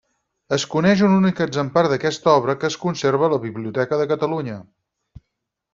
Es coneix un únic exemplar d'aquesta obra, que es conserva a la Biblioteca de Catalunya.